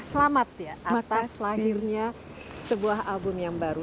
selamat ya atas lahirnya sebuah album yang baru